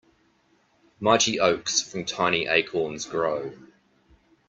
Mighty oaks from tiny acorns grow.